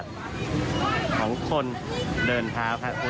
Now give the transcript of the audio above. ของคนเดินเท้าหัวชมค่ะ